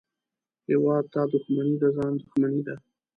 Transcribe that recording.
هېواد ته دښمني د ځان دښمني ده